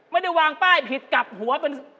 ไม่ได้วางป้ายผิดกลับหัวเป็น